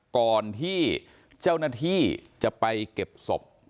ก่อนที่เจ้าหน้าที่จะไปเก็บศพ